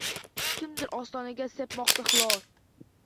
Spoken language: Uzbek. Kimdir ostonaga sepmoqda xlor